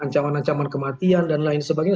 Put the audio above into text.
ancaman ancaman kematian dan lain sebagainya